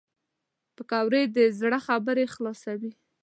پکورې د زړه خبرې خلاصوي